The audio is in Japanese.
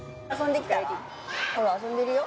ほら遊んでるよ